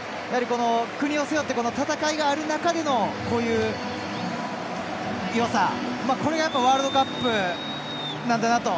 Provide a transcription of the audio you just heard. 国を背負っての戦いがある中でのこういうよさ。これがワールドカップなんだなと。